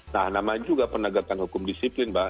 nah nama juga penegakan hukum disiplin mbak